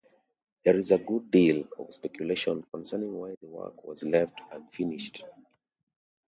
There is a good deal of speculation concerning why the work was left unfinished.